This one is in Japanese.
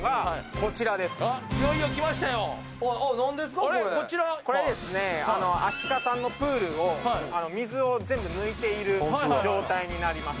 こちらこれですねあのアシカさんのプールを水を全部抜いている状態になります